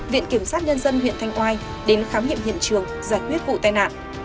viện kiểm sát nhân dân huyện thanh oai đến khám nghiệm hiện trường giải quyết vụ tai nạn